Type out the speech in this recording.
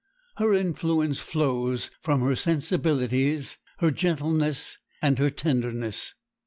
Her influence flows from her sensibilities, her gentleness, and her tenderness.